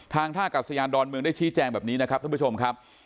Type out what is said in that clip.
ท่ากัดสยานดอนเมืองได้ชี้แจงแบบนี้นะครับท่านผู้ชมครับ